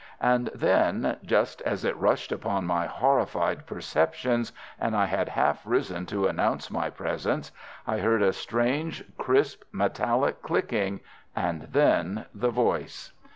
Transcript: And then, just as it rushed upon my horrified perceptions, and I had half risen to announce my presence, I heard a strange, crisp, metallic clicking, and then the voice.